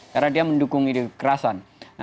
karena dia mendukung ide kekerasan